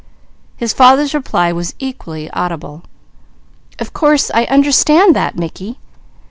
His father's reply was equally audible. "Of course I understand that, Mickey."